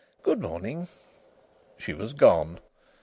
Good morning." She was gone.